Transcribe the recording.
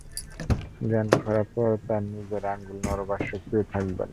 জ্ঞান ফেরার পর তার নিজের আঙ্গুল নড়াবার শক্তিও থাকবে না।